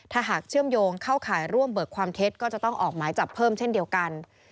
ถ้าหากเชื่อมโยงเข้าข่ายร่วมเบิกความเท็จก็จะต้องออกหมายจับเพิ่มเช่นเดียวกัน